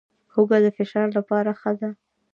هوږه د فشار لپاره ښه ده